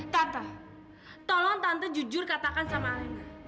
tante tolong tante jujur katakan sama elena